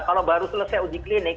kalau baru selesai uji klinik